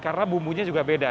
karena bumbunya juga beda